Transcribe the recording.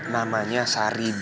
namanya sari b